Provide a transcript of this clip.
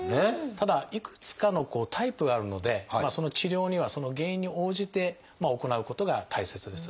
ただいくつかのタイプがあるのでその治療にはその原因に応じて行うことが大切です。